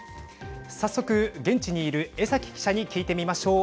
早速、現地にいる江崎記者に聞いてみましょう。